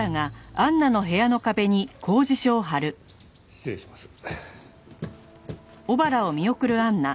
失礼します。